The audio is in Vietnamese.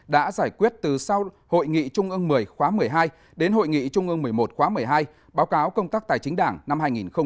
đã giải quyết từ sau hội nghị trung ương một mươi khóa một mươi hai đến hội nghị trung ương một mươi một khóa một mươi hai báo cáo công tác tài chính đảng năm hai nghìn một mươi chín